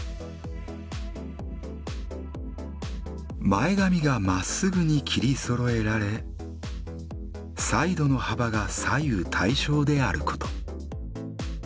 前髪がまっすぐに切りそろえられサイドの幅が左右対称であること。